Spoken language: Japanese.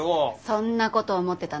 そんなこと思ってたの？